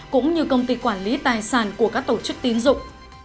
cũng như công ty quản lý tài sản của các tổ chức tín dụng